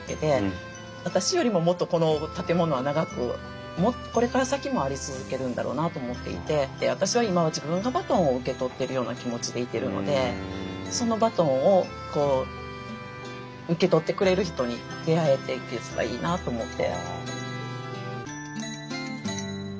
私よりももっとこの建物は長くもっとこれから先もあり続けるんだろうなと思っていて私は今自分がバトンを受け取ってるような気持ちでいてるのでそのバトンを受け取ってくれる人に出会えていければいいなと思って。